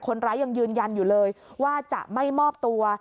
คนร้ายยังยืนยันอยู่เลยว่าจะไม่มอบตัว